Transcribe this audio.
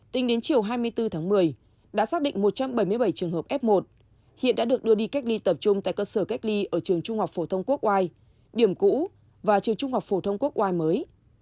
tính đến chiều hai mươi bốn tháng một mươi đã xác định một trăm bảy mươi bảy trường hợp f một hiện đã được đưa đi cách ly tập trung tại cơ sở cách ly ở trường trung học phổ thông quốc oai điểm cũ và trường trung học phổ thông quốc oai mới